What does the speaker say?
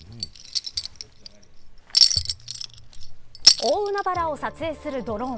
大海原を撮影するドローン。